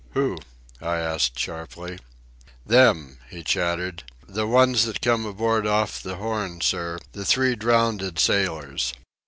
"Who?" I asked sharply. "Them," he chattered. "The ones that come aboard off the Horn, sir, the three drownded sailors.